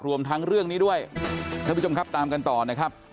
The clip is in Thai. รวมทั้งเรื่องนี้ด้วยท่านผู้ชมครับตามกันต่อนะครับ